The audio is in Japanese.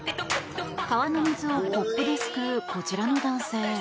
川の水をコップですくうこちらの男性。